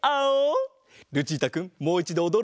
ルチータくんもういちどおどろうじゃないか。